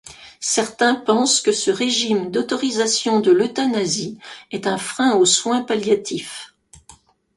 Certains pensent que ce régime d'autorisation de l'euthanasie est un frein aux soins palliatifs.